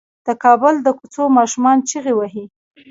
د کابل د کوڅو ماشومان چيغې وهي.